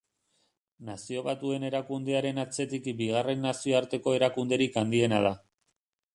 Nazio Batuen Erakundearen atzetik bigarren nazioarteko erakunderik handiena da.